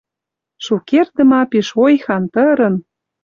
Шукердӹ ма пиш ойхан, тырын